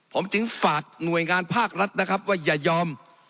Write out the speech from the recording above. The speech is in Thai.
ผมจึงฝากหน่วยงานภาครัฐนะครับว่าอย่ายอม